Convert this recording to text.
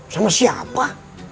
cemburu sama siapa